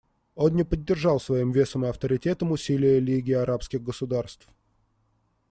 Он не поддержал своим весом и авторитетом усилия Лиги арабских государств.